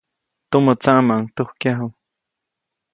Tumä tsaʼmaʼuŋ tujkyaju.